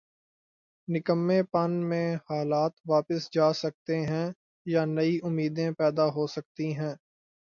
نکمّے پن میں حالات واپس جا سکتے ہیں یا نئی امیدیں پیدا ہو سکتی ہیں۔